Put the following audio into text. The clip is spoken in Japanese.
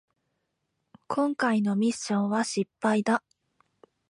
こんかいのミッションは失敗だ